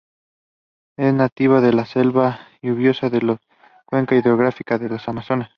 Es nativa de la selva lluviosa de la cuenca hidrográfica del Amazonas.